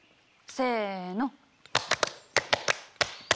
せの。